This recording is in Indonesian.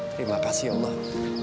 terima kasih ya allah